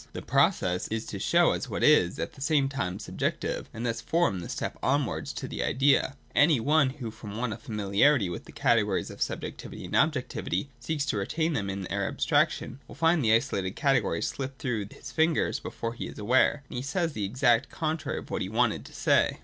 Its process is to show itself as what is at the same time subjective, and thus form the step onwards to the idea. Any one who, from want of familiarity with the categories of subjectivity and objectivity, seeks to retain them in their abstraction, will find that the isolated categories slip 336 THE DOCTRINE OF THE NOTION. [194, 195. through his fingers before he is aware, and that he says the exact contrary of what he wanted to say.